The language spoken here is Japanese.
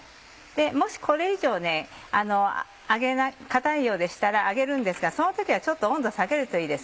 もしこれ以上硬いようでしたら揚げるんですがその時はちょっと温度を下げるといいです。